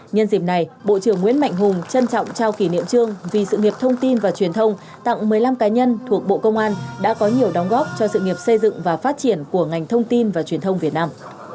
nhân dịp này bộ trưởng nguyễn mạnh hùng trân trọng trao kỷ niệm trương vì sự nghiệp thông tin và truyền thông tặng một mươi năm cá nhân thuộc bộ công an đã có nhiều đóng góp cho sự nghiệp xây dựng và phát triển của ngành thông tin và truyền thông việt nam